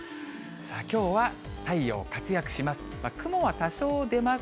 きょうは太陽活躍します。